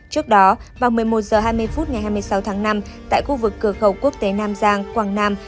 trước đó vào một mươi một h hai mươi phút ngày hai mươi sáu tháng năm tại khu vực cửa khẩu quốc tế nam giang quảng nam